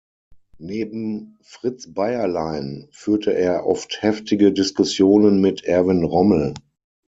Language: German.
Neben Fritz Bayerlein führte er oft heftige Diskussionen mit Erwin Rommel.